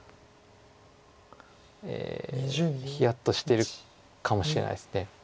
ヒヤッとしてるかもしれないです。